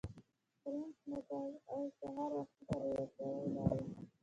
پرنټ مو کړ او سهار وختي تر ولسوالۍ لاړو.